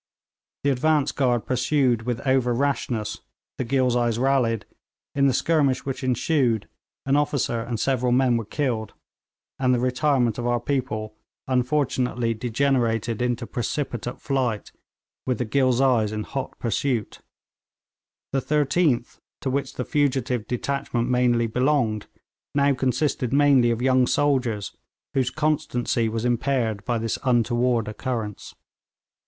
The advance guard pursued with over rashness; the Ghilzais rallied, in the skirmish which ensued an officer and several men were killed, and the retirement of our people unfortunately degenerated into precipitate flight, with the Ghilzais in hot pursuit. The 13th, to which the fugitive detachment mainly belonged, now consisted mainly of young soldiers, whose constancy was impaired by this untoward occurrence.